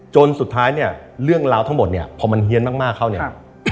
จนสุดท้ายเนี่ยเรื่องราวทั้งหมดเนี่ยพอมันเฮียนมากเข้าเนี่ย